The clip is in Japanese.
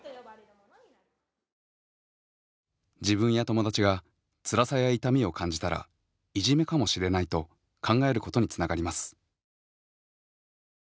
自分や友達がつらさや痛みを感じたらいじめかもしれないと考えることにつながります。